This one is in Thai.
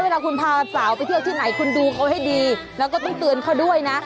เวลาคุณพาสาวไปเที่ยวที่ไหนคุณดูเขาให้ดีแล้วก็ต้องเตือนเขาด้วยนะ